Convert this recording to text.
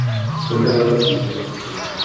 Fue enterrado en el cementerio St.